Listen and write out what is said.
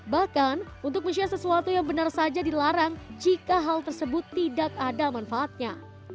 bahkan untuk men share sesuatu yang benar saja dilarang jika hal tersebut tidak ada manfaatnya